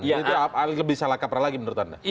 itu lebih salah kaprah lagi menurut anda